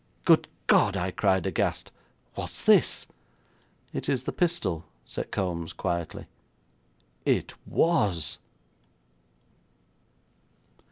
'Good God!' I cried, aghast, 'what is this?' 'It is the pistol,' said Kombs quietly. It was!!